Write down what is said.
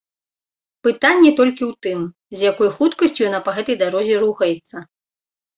Пытанне толькі ў тым, з якой хуткасцю яна па гэтай дарозе рухаецца.